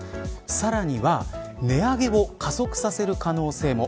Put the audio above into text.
さらには値上げを加速させる可能性も。